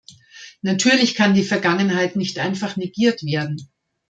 Natürlich kann die Vergangenheit nicht einfach negiert werden.